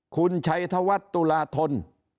คุณชัยธวัฒน์ตุลาธน